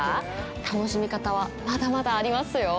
楽しみ方は、まだまだありますよ。